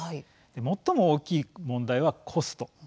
最も大きい問題はコスト。